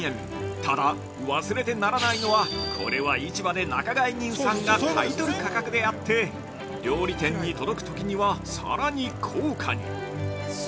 ただ、忘れてならないのはこれは、市場で仲買人さんが買い取る価格であって料理店に届くときにはさらに高価に！